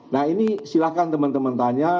nah ini silahkan teman teman tanya